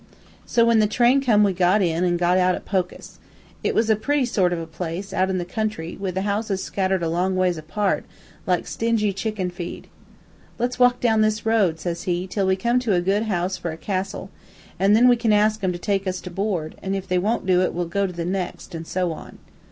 "So when the train come we got in, an' got out at Pokus. It was a pretty sort of a place, out in the country, with the houses scattered a long ways apart, like stingy chicken feed. "'Let's walk down this road,' says he, 'till we come to a good house for a castle, an' then we can ask 'em to take us to board, an' if they wont do it we'll go to the next, an' so on.'